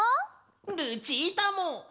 ルチータも。